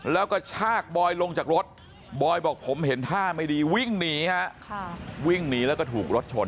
แล้วก็ชากบอยลงจากรถบอยบอกผมเห็นท่าไม่ดีวิ่งหนีฮะวิ่งหนีแล้วก็ถูกรถชน